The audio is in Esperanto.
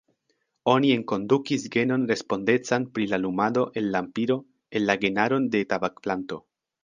Oni enkondukis genon respondecan pri la lumado el lampiro en la genaron de tabakplanto.